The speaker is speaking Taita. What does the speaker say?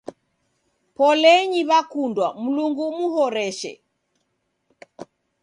Polenyi w'akundwa, Mlungu umuhoreshe.